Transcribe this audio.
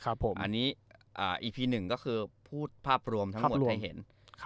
อันนี้อีพีหนึ่งก็คือพูดภาพรวมทั้งหมดให้เห็น